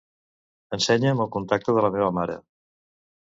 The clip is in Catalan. Ensenya'm el contacte de la meva mare.